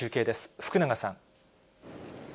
福永さん。